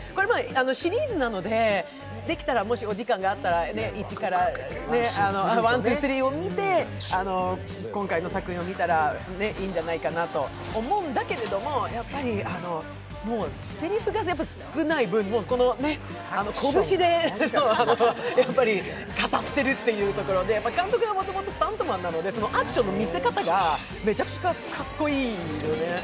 シリーズなので、できたらもしお時間があったら、１、２、３を見て今回の作品を見たらいいんじゃないかと思うんだけどもやっぱり、もうせりふが少ない分、拳で語ってるというところで、監督がもともとスタントマンなので、そのアクションの見せ方がめちゃくちゃかっこいいよね。